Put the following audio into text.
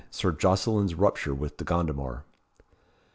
Sir Jocelyn's rupture with de Gondomar.